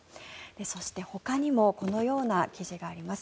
そして、ほかにもこのような記事があります。